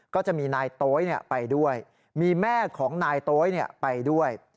ก็จะมีนายโต๊ยไปด้วยมีแม่ของนายโต๊ยไปด้วย